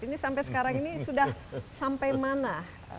ini sampai sekarang ini sudah sampai mana